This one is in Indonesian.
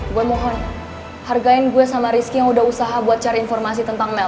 gue mohon hargain gue sama rizky yang udah usaha buat cari informasi tentang mel